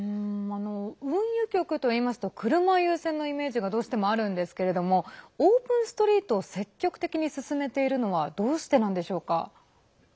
運輸局というと車優先のイメージがどうしてもあるんですがオープン・ストリートを積極的に進めているのはどうしてなんでしょうか？